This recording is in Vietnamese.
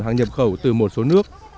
hàng nhập khẩu từ một số nước